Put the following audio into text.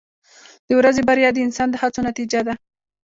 • د ورځې بریا د انسان د هڅو نتیجه ده.